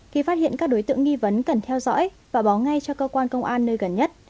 khi phát hiện các đối tượng nghi vấn cần theo dõi và báo ngay cho cơ quan công an nơi gần nhất